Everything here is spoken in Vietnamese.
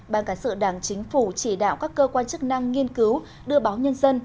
ba ban cán sự đảng chính phủ chỉ đạo các cơ quan chức năng nghiên cứu đưa báo nhân dân